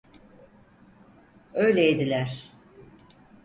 Öyleydiler…